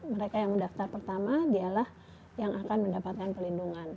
mereka yang mendaftar pertama dialah yang akan mendapatkan pelindungan